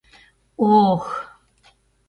— О-ох!